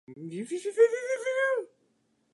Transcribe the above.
常識は個人的経験の結果でなく、社会的経験の結果である。